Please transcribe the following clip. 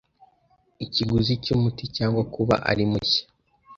Ikiguzi cyʼumuti cg kuba ari mushya